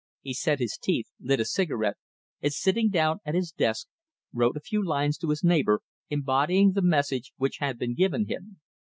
He set his teeth, lit a cigarette, and sitting down at his desk wrote a few lines to his neighbour, embodying the message which had been given him.